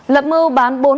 lập mưu bán bệnh viện